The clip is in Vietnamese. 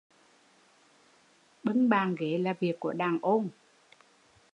Bưng bàn bưng ghế là việc của đàn ôn